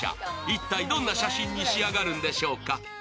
一体どんな写真に仕上がるんでしょうか。